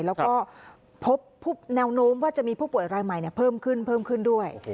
แล้วก็พบแนวโน้มว่าจะมีผู้ป่วยรายใหม่เพิ่มขึ้นเพิ่มขึ้นด้วย